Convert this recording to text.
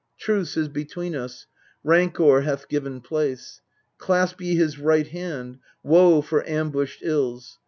Truce is between us, rancour hath given place. Clasp ye his right hand. Woe for ambushed ills